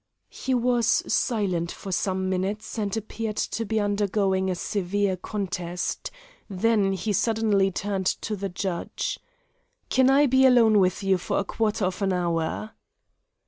He was silent for some minutes, and appeared to be undergoing a severe contest, then he suddenly turned to the judge. "Can I be alone with you for a quarter of an hour?"